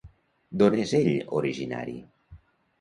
D'on és ell originari?